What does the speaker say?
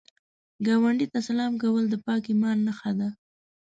ګاونډي ته سلام کول د پاک ایمان نښه ده